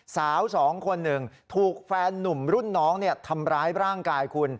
สาวสองคนหนึ่งถูกแฟนนุ่มรุ่นน้องทำร้ายร่างกายคุณ